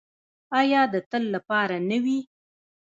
آیا د تل لپاره نه وي؟